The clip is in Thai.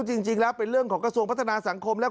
จริงแล้วเป็นเรื่องของกระทรวงพัฒนาสังคมแล้ว